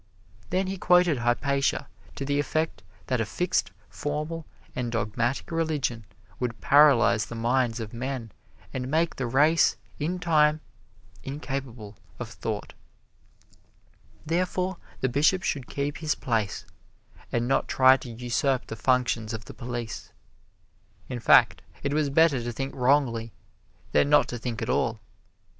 Then he quoted Hypatia to the effect that a fixed, formal and dogmatic religion would paralyze the minds of men and make the race, in time, incapable of thought. Therefore, the Bishop should keep his place, and not try to usurp the functions of the police. In fact, it was better to think wrongly than not to think at all.